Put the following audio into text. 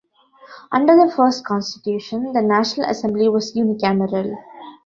Under the first constitution, the National Assembly was unicameral.